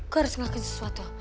gue harus ngelakuin sesuatu